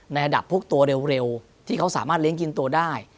ในระดับพวกตัวเร็วที่เขาสามารถเลี้ยงกินตัวได้